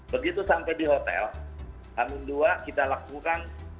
begitu sampai di hotel hamin dua kita lakukan di home base nya